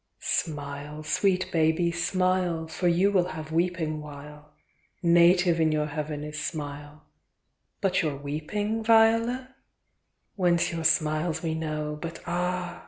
X. Smile, sweet baby, smile, For you will have weeping while; Native in your Heaven is smile,— But your weeping, Viola? Whence your smiles we know, but ah?